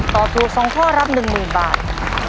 ตอบถูก๒ข้อรับ๑๐๐๐บาท